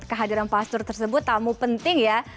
kehadiran pastur tersebut tamu penting ya